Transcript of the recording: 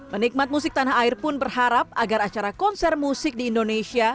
penikmat musik tanah air pun berharap agar acara konser musik di indonesia